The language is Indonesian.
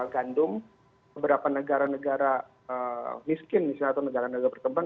gandum beberapa negara negara miskin misalnya atau negara negara berkembang